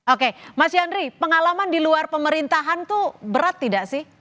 oke mas yandri pengalaman di luar pemerintahan itu berat tidak sih